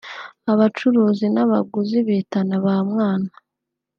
Abacuruzi n’abaguzi bitana ba mwana